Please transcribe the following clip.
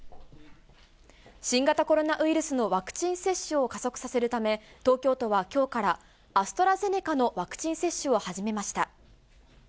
新型コロナウイルスのワクチン接種を加速させるため、東京都はきょうから、アストラゼネカのワクチン接種を始めました。